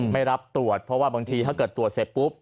ไม่รับตรวจเพราะว่าบางทีถ้าเกิดตรวจเสร็จปุ๊บ